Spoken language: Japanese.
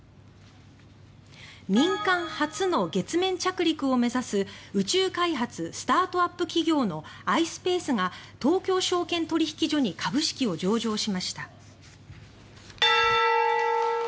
民間初の月面着陸を目指す宇宙開発スタートアップ企業のｉｓｐａｃｅが東京証券取引所に株式を上場しました。